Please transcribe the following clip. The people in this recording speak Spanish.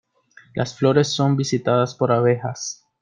Las flores son visitadas por abejas.